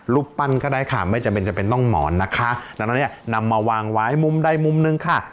รูปปั้นก็ได้ค่ะไม่จำเป็นจำเป็นต้องหมอนนะคะดังนั้นเนี่ยนำมาวางไว้มุมใดมุมหนึ่งค่ะ